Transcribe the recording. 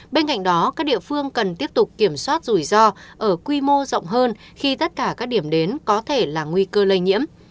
bên cạnh đó các địa phương cần tiếp tục kiểm soát rủi ro ở quy mô rộng hơn khi tất cả các điểm đến có thể là nguy cơ lây nhiễm